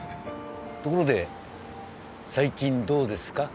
ところで最近どうですか？